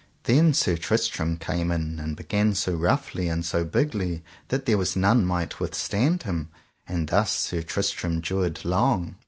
Then Sir Tristram came in, and began so roughly and so bigly that there was none might withstand him, and thus Sir Tristram dured long.